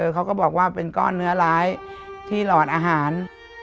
เขาก็บอกว่าเป็นก้อนเนื้อร้ายที่หลอดอาหาร